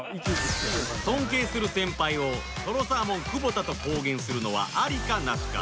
尊敬する先輩をとろサーモン久保田と公言するのはアリかナシか